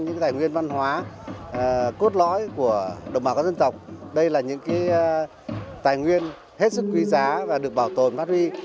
những tài nguyên văn hóa cốt lõi của đồng bào các dân tộc đây là những tài nguyên hết sức quý giá và được bảo tồn phát huy